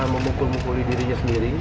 memukul mukul dirinya sendiri